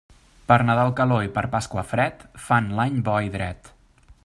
Per Nadal calor i per Pasqua fred, fan l'any bo i dret.